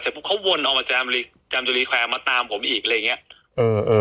เสร็จพวกเขาวนออกมาจามจุลีแควร์มาตามผมอีกอะไรอย่างเงี้ยเออเออ